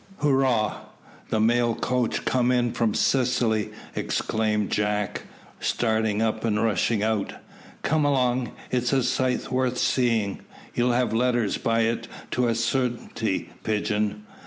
"Hurrah! the mail coach come in from Sicily," exclaimed Jack, starting up and rushing out. "Come along, it's a sight worth seeing. You'll have letters by it to a certainty, Pigeon."